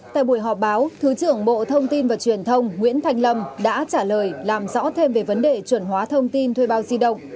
tại buổi họp báo thứ trưởng bộ thông tin và truyền thông nguyễn thanh lâm đã trả lời làm rõ thêm về vấn đề chuẩn hóa thông tin thuê bao di động